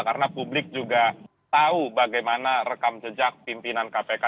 karena publik juga tahu bagaimana rekam jejak pimpinan kpk